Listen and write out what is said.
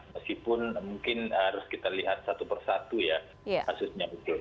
meskipun mungkin harus kita lihat satu persatu ya kasusnya betul